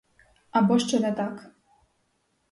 Або ще не так.